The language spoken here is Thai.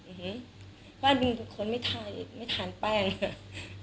อุ้หือเพราะอันบีคุณเค้าไม่ทานไม่ทานแป้งค่ะ